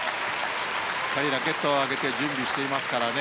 しっかりラケットを上げて準備していますからね。